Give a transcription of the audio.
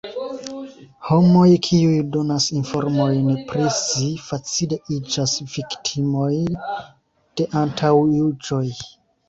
Homoj, kiuj donas informojn pri si, facile iĝas viktimoj de antaŭjuĝoj.